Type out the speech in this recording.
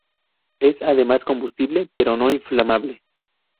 Es además combustible pero no inflamable.